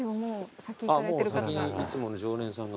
先にいつもの常連さんが。